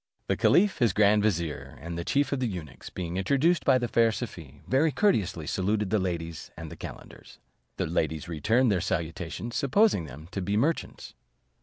The caliph, his grand vizier, and the chief of the eunuchs, being introduced by the fair Safie, very courteously saluted the ladies and the calenders. The ladies returned their salutations, supposing them to be merchants.